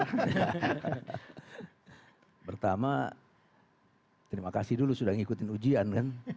pertama terima kasih dulu sudah ngikutin ujian kan